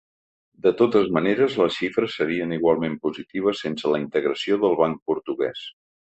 De totes maneres, les xifres serien igualment positives sense la integració del banc portuguès.